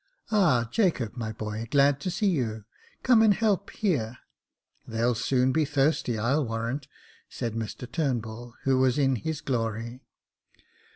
" Ah, Jacob, my boy, glad to see you — come and help here — they'll soon be thirsty, I'll warrant," said Mr Turnbull, who was in his glory.